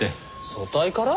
組対から？